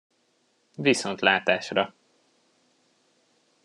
Viszontlátásra!